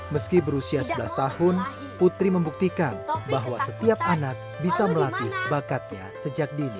meski berusia sebelas tahun putri membuktikan bahwa setiap anak bisa melatih bakatnya sejak dini